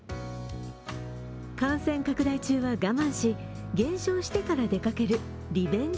感染拡大中は我慢し、減少してから出かけるリベンジ